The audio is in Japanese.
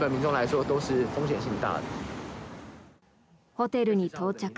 ホテルに到着。